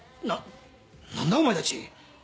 ななんだお前たち！？